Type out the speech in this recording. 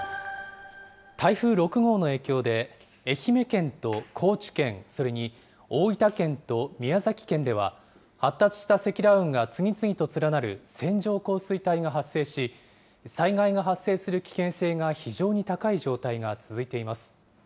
台風６号の影響で、愛媛県と高知県、それに大分県と宮崎県では、発達した積乱雲が次々と連なる線状降水帯が発生し、災害の発生する危険性が非常に高い状態が続いています。